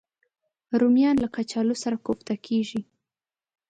رومیان له کچالو سره کوفته کېږي